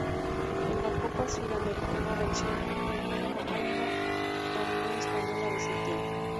En la Copa Sudamericana, venció en primera ronda a Unión Española de Santiago.